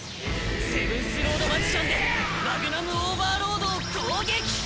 セブンスロード・マジシャンでマグナム・オーバーロードを攻撃！